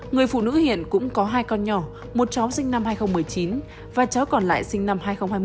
người phụ nữ hiện cũng có hai con nhỏ một cháu sinh năm hai nghìn một mươi chín và cháu còn lại sinh năm hai nghìn hai mươi